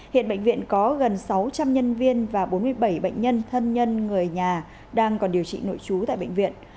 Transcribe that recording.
hiện bệnh viện có gần sáu trăm linh nhân viên và bốn mươi bảy bệnh nhân thân nhân người nhà đang còn điều trị nội trú tại bệnh viện